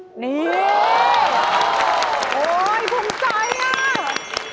โอ้ยภูมิใจอะ